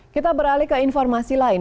kita beralih ke informasi lain